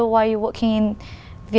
khi tôi đến hà nội